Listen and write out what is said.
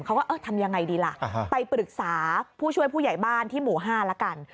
เขาก็เออทำยังไงดีล่ะไปปรึกษาผู้ช่วยผู้ใหญ่บ้านที่หมู่๕ละกัน